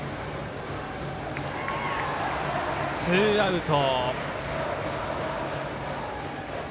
ツーアウト。